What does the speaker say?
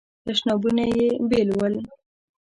تشنابونه یې بیل ول.